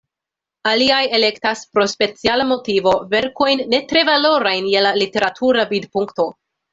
Aliaj elektas pro speciala motivo verkojn ne tre valorajn je la literatura vidpunkto.